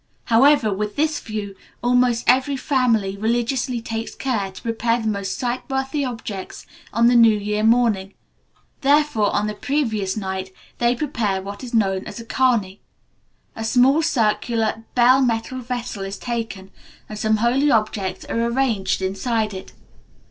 However, with this view, almost every family religiously takes care to prepare the most sightworthy objects on the new year morning. Therefore, on the previous night, they prepare what is known as a kani. A small circular bell metal vessel is taken, and some holy objects are arranged inside it.